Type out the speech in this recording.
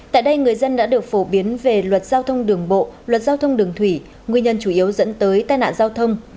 tại đây người dân đã được phổ biến về luật giao thông đường bộ luật giao thông đường thủy nguyên nhân chủ yếu dẫn tới tai nạn giao thông